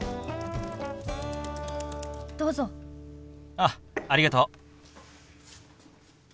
あっありがとう。